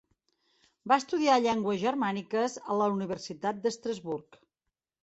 Va estudiar llengües germàniques a la Universitat d'Estrasburg.